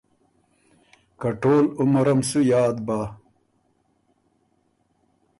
که ټول عمرم سُو یاد بۀ۔